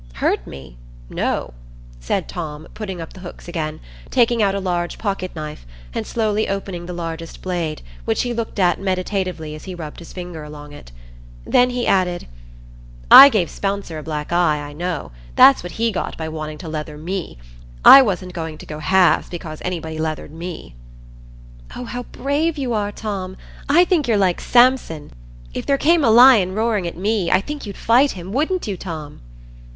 "Hurt me? no," said Tom, putting up the hooks again, taking out a large pocket knife, and slowly opening the largest blade, which he looked at meditatively as he rubbed his finger along it. Then he added,— "I gave Spouncer a black eye, I know; that's what he got by wanting to leather me; I wasn't going to go halves because anybody leathered me." "Oh, how brave you are, Tom! I think you're like Samson. If there came a lion roaring at me, I think you'd fight him, wouldn't you, Tom?"